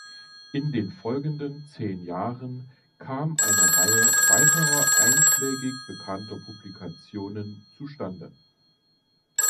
In den folgenden zehn Jahren kam eine Reihe weiterer einschlägig bekannter Publikationen zustande.